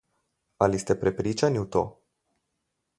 Ali ste prepričani v to?